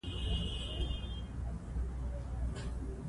شاعري د انسان د احساساتو ژوروالی په ښکلي او موزون ډول څرګندوي.